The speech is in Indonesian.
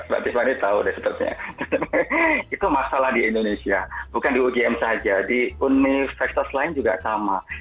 pak tiffany tahu deh sepertinya itu masalah di indonesia bukan di ugm saja di unmil fester lain juga sama